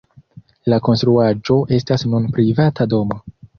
La konstruaĵo estas nun privata domo.